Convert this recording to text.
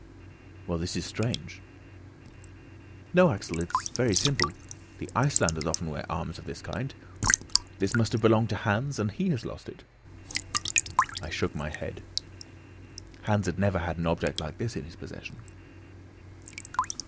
"Well, this is strange!" "No, Axel, it is very simple. The Icelanders often wear arms of this kind. This must have belonged to Hans, and he has lost it." I shook my head. Hans had never had an object like this in his possession.